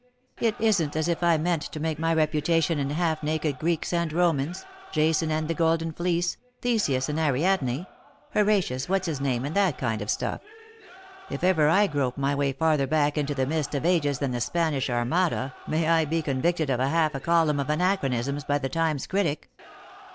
It isn't as if I meant to make my reputation in half naked Greeks and Romans, Jason and the Golden Fleece, Theseus and Ariadne, Horatius what's his name, and that kind of stuff. If ever I grope my way farther back into the mist of ages than the Spanish Armada, may I be convicted of half a column of anachronisms by the Times critic.